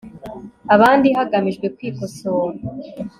abandi hagamijwe kwikosora